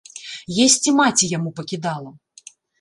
Есці маці яму пакідала.